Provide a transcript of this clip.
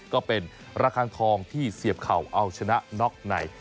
ก็เป็นระคังทองที่เสียบเข่าเอาชนะน็อกใน